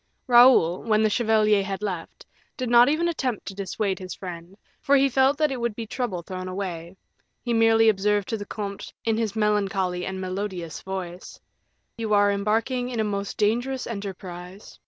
Raoul, when the chevalier had left, did not even attempt to dissuade his friend, for he felt that it would be trouble thrown away; he merely observed to the comte, in his melancholy and melodious voice, "You are embarking in a most dangerous enterprise.